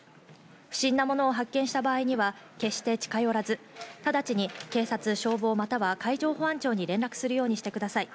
不審なものを発見した場合には決して近寄らず、直ちに警察・消防、または海上保安庁に連絡するようにしてください。